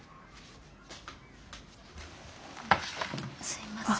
すいません。